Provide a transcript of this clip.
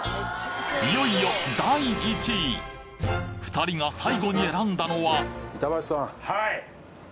いよいよ２人が最後に選んだのははい。